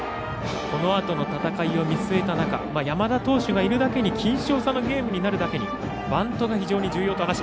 このあとの戦いを見据えた中山田投手がいるだけに僅少差のゲームになるだけにバントが非常に重要だと。